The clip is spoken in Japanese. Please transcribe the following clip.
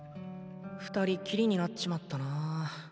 ２人っきりになっちまったなー。